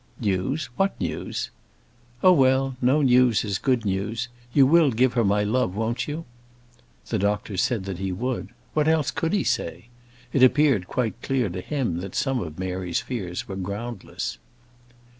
"News what news?" "Oh, well; no news is good news: you will give her my love, won't you?" The doctor said that he would. What else could he say? It appeared quite clear to him that some of Mary's fears were groundless.